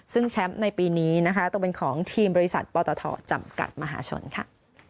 ซึ่งแชมป์ในปีนี้นะคะตกเป็นของทีมบริษัทปตทจำกัดมหาชนค่ะ